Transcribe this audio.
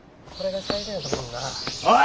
おい！